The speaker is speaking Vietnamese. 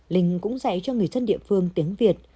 linh cũng dạy cho người dân địa phương tiếng việt